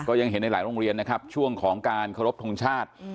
ยังเห็นในหลายโรงเรียนนะครับช่วงของการเคารพทงชาติ